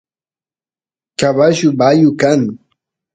caballu bayu kan